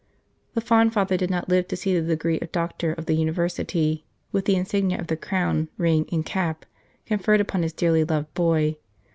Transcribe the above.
The fond father did not live to see the degree of Doctor of the University, with the insignia of the crown, ring, and cap, conferred upon his dearly loved boy.